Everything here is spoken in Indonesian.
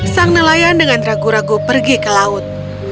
sang nelayan dengan ragu ragu pergi ke laut